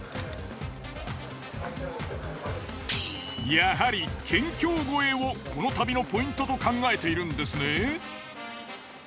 やはり県境越えをこの旅のポイントと考えているんですね。